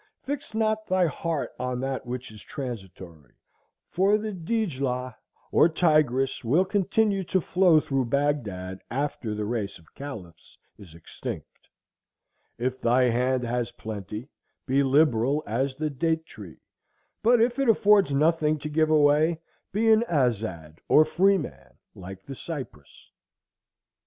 —Fix not thy heart on that which is transitory; for the Dijlah, or Tigris, will continue to flow through Bagdad after the race of caliphs is extinct: if thy hand has plenty, be liberal as the date tree; but if it affords nothing to give away, be an azad, or free man, like the cypress."